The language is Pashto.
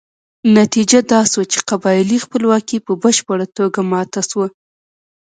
نتیجه دا شوه چې قبایلي خپلواکي په بشپړه توګه ماته شوه.